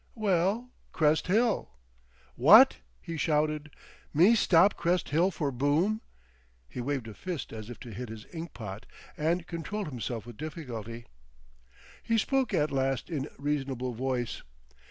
"Well,—Crest Hill" "What!" he shouted. "Me stop Crest Hill for Boom!" He waved a fist as if to hit his inkpot, and controlled himself with difficulty. He spoke at last in a reasonable voice.